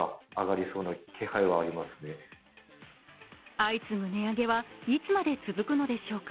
相次ぐ値上げはいつまで続くのでしょうか？